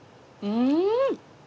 うん。